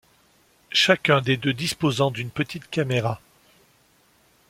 Chacun des deux disposant d'une petite caméra.